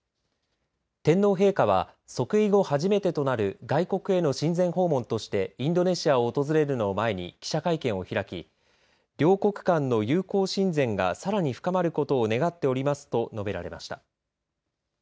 天皇陛下は即位後初めてとなる外国への親善訪問としてインドネシアを訪れるのを前に記者会見を開き両国間の友好親善がさらに深まることを願っておりますと述べられました。